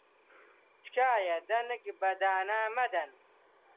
تکایە دەنگ بە دانا مەدەن.